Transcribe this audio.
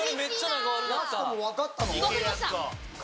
分かりました！